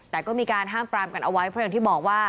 แต่ก็มีการห้ามปรามกันเอาไว้เพราะอย่างที่บอกว่า